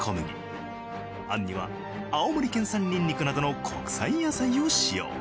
餡には青森県産にんにくなどの国産野菜を使用。